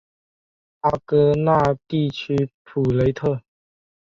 阿戈讷地区普雷特。